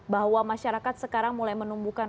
bahwa masyarakat sekarang mulai menumbuhkan